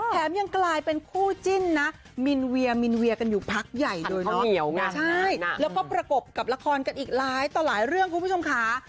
ยังกลายเป็นคู่จิ้นนะมินเวียมินเวียกันอยู่พักใหญ่เลยทีเดียวใช่แล้วก็ประกบกับละครกันอีกหลายต่อหลายเรื่องคุณผู้ชมค่ะ